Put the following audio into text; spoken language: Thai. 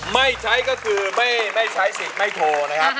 ไม่ใช้ก็คือไม่ใช้สิทธิ์ไม่โทรนะครับ